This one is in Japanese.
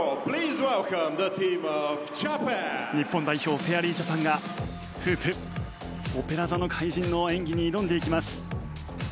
日本代表フェアリージャパンがフープ、「オペラ座の怪人」の演技に挑んでいきます。